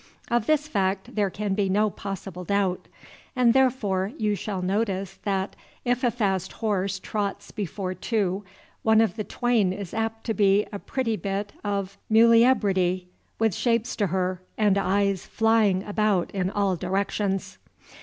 Of this fact there can be no possible doubt; and therefore you shall notice, that, if a fast horse trots before two, one of the twain is apt to be a pretty bit of muliebrity, with shapes to her, and eyes flying about in all directions.